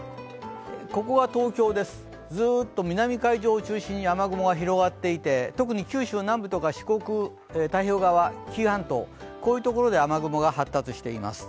ここが東京です、ずーっと南海上中心に雨雲が広がっていて、特に九州南部とか四国、太平洋側、紀伊半島、こういうところで雨雲が発達しています。